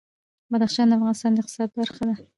بدخشان د افغانستان د اقتصاد برخه ده.